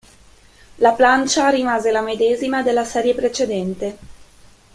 La plancia rimase la medesima della serie precedente.